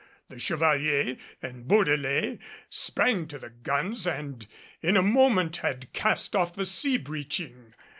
The Chevalier and Bourdelais sprang to the guns and in a moment had cast off the sea breaching.